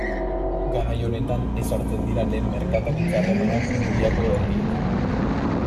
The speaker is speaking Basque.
Garai honetan ezartzen dira lehen merkataritza harremanak Nubiako herriekin.